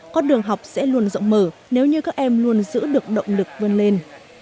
con đường học sẽ luôn rộng mở nếu như các em luôn giữ được động lực vươn lên